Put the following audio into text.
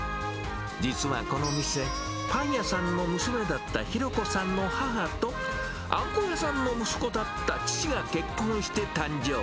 実はこのお店、パン屋さんの娘だった浩子さんの母と、あんこ屋さんの息子だった父が結婚して誕生。